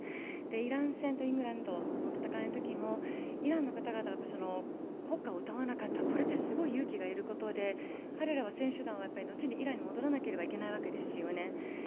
イラン戦とイングランドの戦いのときもイランの方々が国歌を歌わなかった、これはすごく勇気の要ることで彼らは選手団は後にイランに戻らなければいけないわけですよね。